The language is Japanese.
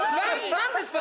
何ですか？